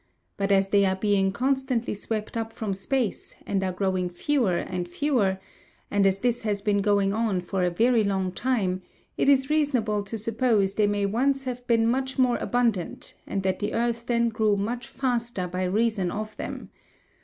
But as they are being constantly swept up from space and are growing fewer and fewer, and as this has been going on for a very long time, it is reasonable to suppose they may once have been much more abundant and that the earth then grew much faster by reason of them.